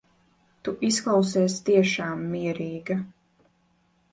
Tu izklausies tiešām mierīga.